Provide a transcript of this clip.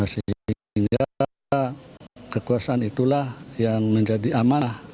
sehingga kekuasaan itulah yang menjadi amanah